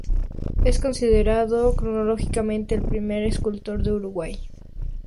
Es considerado cronológicamente el primer escultor de Uruguay.